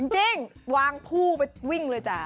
จริงวางคู่ไปวิ่งเลยจ้ะ